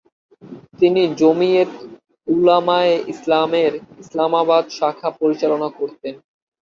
তিনি জমিয়তে উলামায়ে ইসলামের ইসলামাবাদ শাখা পরিচালনা করতেন।